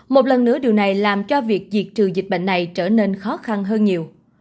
một lần nữa điều này làm cho việc diệt trừ dịch bệnh này trở nên khó khăn hơn nhiều